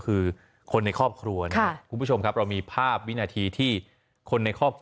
คุณเนาะพระโรศวิมทรธรรมวัฒน์นะฮะโอ้โห